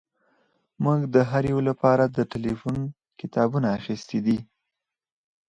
موږ د هر یو لپاره د ټیلیفون کتابونه اخیستي دي